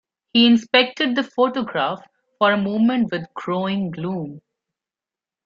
He inspected the photograph for a moment with growing gloom.